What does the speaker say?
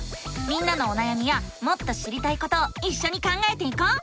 みんなのおなやみやもっと知りたいことをいっしょに考えていこう！